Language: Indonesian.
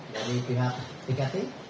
dari pihak dikati